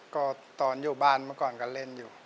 ก็ตอนอยู่บ้านเมื่อก่อนก็เล่นอยู่